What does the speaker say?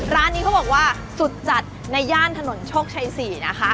ร้านนี้เขาบอกว่าสุดจัดในย่านถนนโชคชัย๔นะคะ